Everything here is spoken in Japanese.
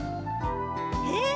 へえ。